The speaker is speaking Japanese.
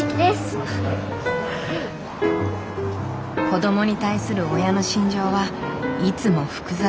子どもに対する親の心情はいつも複雑。